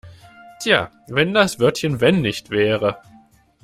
Tja, wenn das Wörtchen wenn nicht wäre!